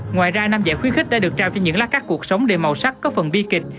ngoài ra năm giải khuyến khích đã được trao cho những lá cắt cuộc sống đầy màu sắc có phần bi kịch